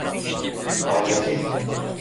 Faydasız!